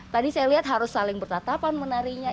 tadi saya lihat harus saling bertatapan menari nya